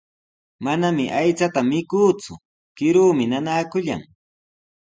Manami aychata mikuuku, kiruumi nanaakullan.